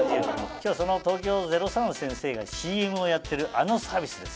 今日はその東京０３先生がＣＭをやってるあのサービスです。